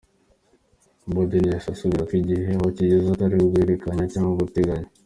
Boden yahise abasubiza ko igihe aho kigeze atari ugukekeranya cg guteganya.